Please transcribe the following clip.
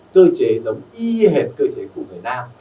cơ chế giống y hệt cơ chế của việt nam